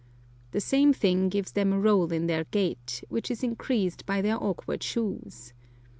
The same thing gives them a roll in their gait, which is increased by their awkward shoes.